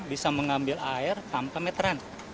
bisa mengambil air tanpa meteran